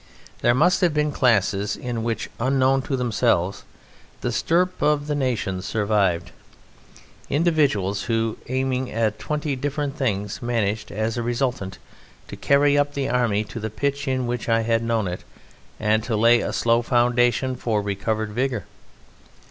There must have been classes in which, unknown to themselves, the stirp of the nation survived; individuals who, aiming at twenty different things, managed, as a resultant, to carry up the army to the pitch in which I had known it and to lay a slow foundation for recovered vigour.